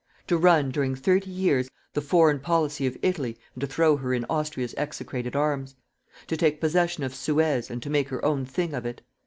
to run, during thirty years, the foreign policy of Italy and to throw her in Austria's execrated arms? to take possession of Suez and to make her own thing of it?